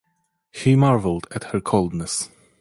He marvelled at her coldness.